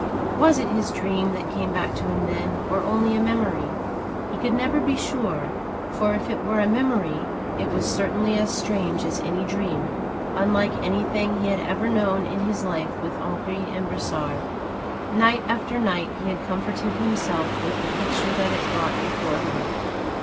Was it his dream that came back to him then, or only a memory? He could never be sure, for if it were a memory, it was certainly as strange as any dream, unlike anything he had ever known in his life with Henri and Brossard. Night after night he had comforted himself with the picture that it brought before him.